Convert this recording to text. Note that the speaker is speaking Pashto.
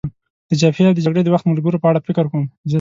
د جبهې او د جګړې د وخت ملګرو په اړه فکر کوم.